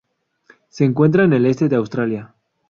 Se encuentra en el este de Australia.